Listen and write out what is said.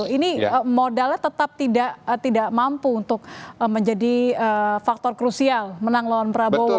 ini modalnya tetap tidak mampu untuk menjadi faktor krusial menang lawan prabowo